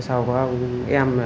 sau đó em